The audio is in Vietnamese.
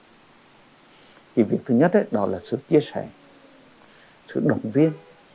cái việc thứ nhất đó là sự chia sẻ sự động viên